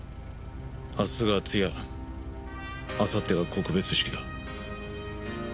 明日が通夜あさってが告別式だ。